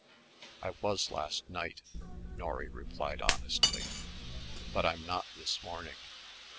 "I was last night," Norry replied honestly, "but I'm not this morning.